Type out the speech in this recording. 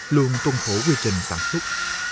luôn tuân khổ quy trình sản xuất